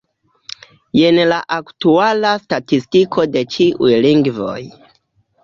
Jen la aktuala statistiko de ĉiuj lingvoj.